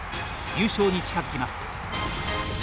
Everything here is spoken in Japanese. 優勝に近づきます。